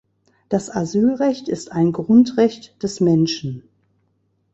Das Asylrecht ist ein Grundrecht des Menschen.